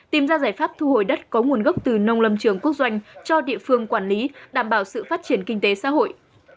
tìm ra giải pháp thu hồi đất có nguồn gốc từ nông lâm trường quốc doanh cho địa phương quản lý đảm bảo sự phát triển kinh tế xã hội